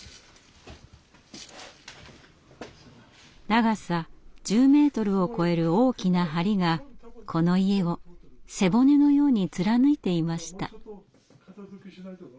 長さ１０ｍを超える大きな梁がこの家を背骨のように貫いていました。